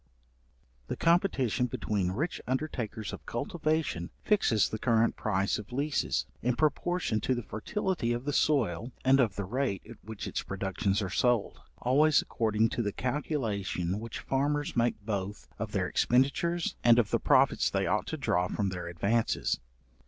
The competition between rich undertakers of cultivation fixes the current price of leases, in proportion to the fertility of the soil, and of the rate at which its productions are sold, always according to the calculation which farmers make both of their expenditures, and of the profits they ought to draw from their advances.